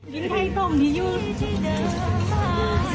ยิงไทยต้มที่ยุทธ์